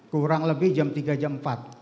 kurang lebih jam tiga jam empat